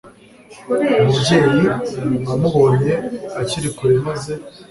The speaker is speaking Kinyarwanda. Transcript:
umubyeyi amubonye akiri kure, maze